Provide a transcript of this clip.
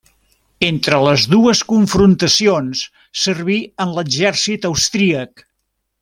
Entre les dues confrontacions servir en l'exèrcit austríac.